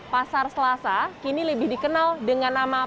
pasar selasa kini lebih dikenal dengan nama